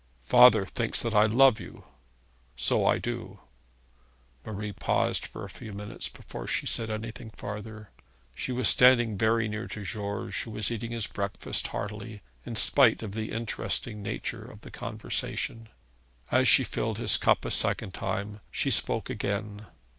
'Father thinks that I love you: so I do.' Marie paused for a few minutes before she said anything farther. She was standing very near to George, who was eating his breakfast heartily in spite of the interesting nature of the conversation. As she filled his cup a second time, she spoke again.